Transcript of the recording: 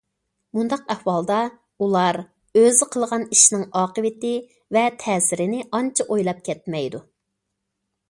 مۇنداق ئەھۋالدا ئۇلار ئۆزى قىلغان ئىشنىڭ ئاقىۋىتى ۋە تەسىرىنى ئانچە ئويلاپ كەتمەيدۇ.